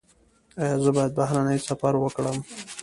ایا زه باید بهرنی سفر وکړم؟